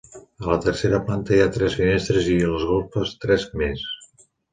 A la tercera planta hi ha tres finestres i a les golfes tres més.